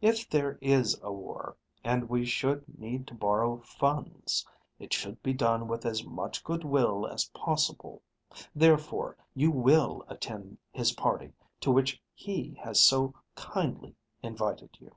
If there is a war, and we should need to borrow funds, it should be done with as much good will as possible. Therefore, you will attend his party to which he has so kindly invited you."